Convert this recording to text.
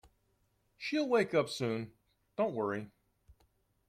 She’ll wake up soon, don't worry